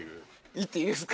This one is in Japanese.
行っていいですか？